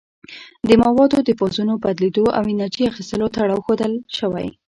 د موادو د فازونو بدلیدو او انرژي اخیستلو تړاو ښودل شوی.